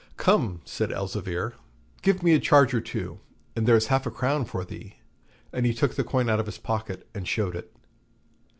'Come,' said Elzevir, 'give me a charge or two, and there is half a crown for thee.' And he took the coin out of his pocket and showed it.